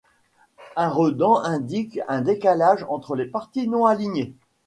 Un redent indique un décalage entre des parties non alignées.